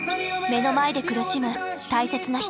目の前で苦しむ大切な人。